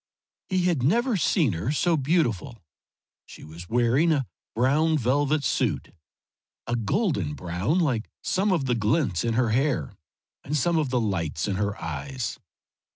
He had never seen her so beautiful. She was wearing a brown velvet suit, a golden brown like some of the glints in her hair and some of the lights in her eyes.